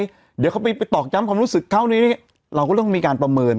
เดี๋ยวเขาไปตอกย้ำความรู้สึกเท่านี้เราก็ต้องมีการประเมิน